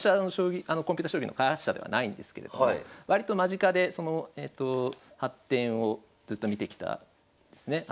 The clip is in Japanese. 私コンピュータ将棋の開発者ではないんですけれども割と間近でその発展をずっと見てきたんですね。